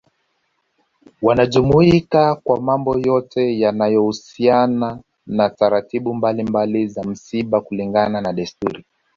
Wanajumuika kwa mambo yote yanayo husiana na taratibu mbalimbali za msiba kulingana na desturi